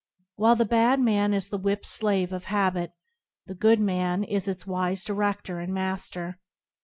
While the bad man is the whipped slave of habit, the good man is its wise director and master.